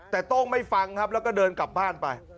แต่โต้งไม่ฟังครับแล้วก็เดินกลับบ้านไป